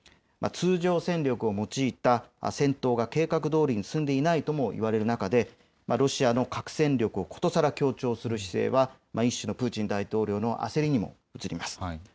通常戦力を用いた戦闘が計画どおりに進んでいないとも言われている中でロシアの核戦力をことさら強調する姿勢は一種のプーチン大統領の焦りのようにも映ります。